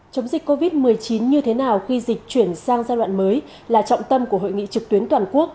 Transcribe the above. chống dịch covid một mươi chín như thế nào khi dịch chuyển sang giai đoạn mới là trọng tâm của hội nghị trực tuyến toàn quốc